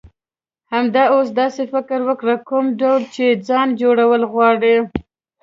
همدا اوس داسی فکر وکړه، کوم ډول چی ځان جوړول غواړی.